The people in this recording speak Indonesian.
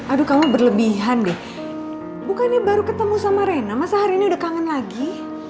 aduh kamu berlebihan deh bukannya baru ketemu sama reina masa hari ini udah kangen lagi